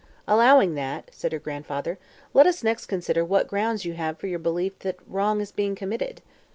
"Allowing that," said her grandfather, "let us next consider what grounds you have for your belief that wrong is being committed.